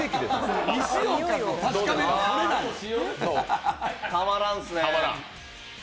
あ、たまらんすね。